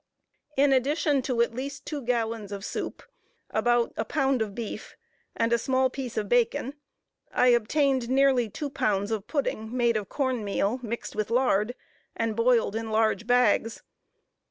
In addition to at least two gallons of soup, about a pound of beef, and a small piece of bacon, I obtained nearly two pounds of pudding, made of corn meal, mixed with lard, and boiled in large bags.